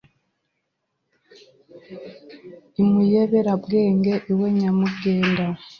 I Muyeberambwe iwa Nyamugenda